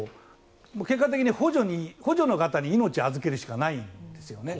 結果的に補助の方に命を預けるしかないですよね。